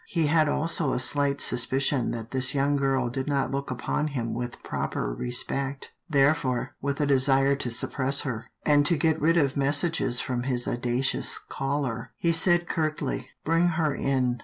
He had also a slight sus picion that this young girl did not look upon him with proper respect; therefore, with a desire to suppress her, and to get rid of messages from his audacious caller, he said curtly, " Bring her in."